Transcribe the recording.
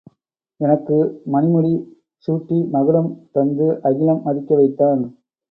எனக்கு மணிமுடி சூட்டி மகுடம் தந்து அகிலம் மதிக்க வைத்தான்.